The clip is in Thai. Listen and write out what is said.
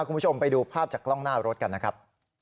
คุณผู้ชมไปดูภาพจากกล้องหน้ารถกันนะครับ